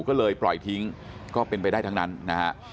ก็เลยปล่อยทิ้งก็เป็นไปได้ทั้งนั้นนะฮะ